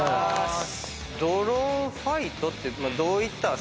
ドローンファイトって。